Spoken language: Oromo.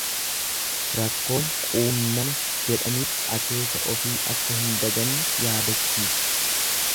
Rakkoon quunname jedhanii akeeka ofii akka hin daganne yaadachiisa.